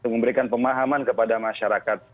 memberikan pemahaman kepada masyarakat